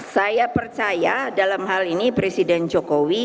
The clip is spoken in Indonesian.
saya percaya dalam hal ini presiden jokowi